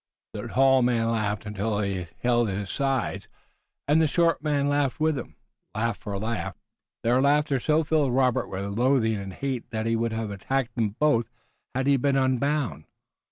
The tall man laughed until he held his sides, and the short man laughed with him, laugh for laugh. Their laughter so filled Robert with loathing and hate that he would have attacked them both had he been unbound.